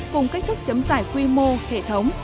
cùng cách thức chấm giải quy mô hệ thống